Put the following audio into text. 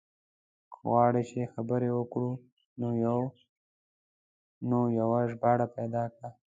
که غواړې چې خبرې وکړو نو يو ژباړن پيدا کړه.